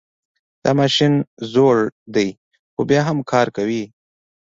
دا ماشین زوړ ده خو بیا هم کار کوي